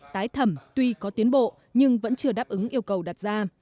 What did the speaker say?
tái thẩm tuy có tiến bộ nhưng vẫn chưa đáp ứng yêu cầu đặt ra